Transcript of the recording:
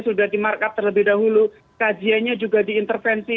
sudah di markup terlebih dahulu kajiannya juga diintervensi